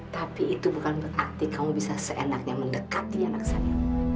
tapi itu bukan berarti kamu bisa seenaknya mendekati anak saya